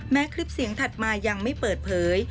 คลิปเสียงถัดมายังไม่เปิดเผย